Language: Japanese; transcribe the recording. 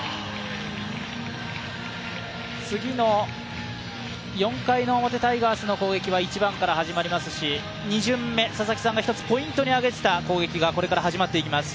次の４回表タイガースの攻撃は１番から始まりますし、２巡目、佐々木さんがポイントに挙げていた攻撃がここから始まります。